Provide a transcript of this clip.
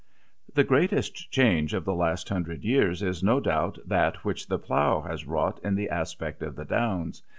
The greatest change of the last hundred years is no doubt that which the plough has wrought in the aspect of the downs.